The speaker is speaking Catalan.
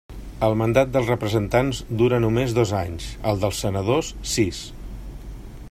El mandat dels representants dura només dos anys; el dels senadors, sis.